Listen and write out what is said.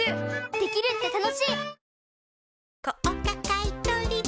できるって楽しい！